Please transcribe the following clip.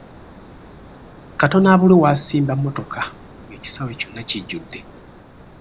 Katono abulwe w'asimba mmotoka ng'ekisaawe kyonna kijudde.